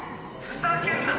ふざけんな！